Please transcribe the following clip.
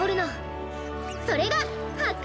それがはっく